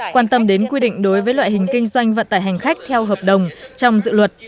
quan tâm đến quy định đối với loại hình kinh doanh vận tải hành khách theo hợp đồng trong dự luật